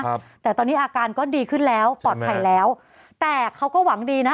ครับแต่ตอนนี้อาการก็ดีขึ้นแล้วปลอดภัยแล้วแต่เขาก็หวังดีนะ